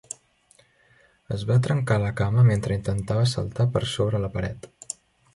Es va trencar la cama mentre intentava saltar per sobre la paret.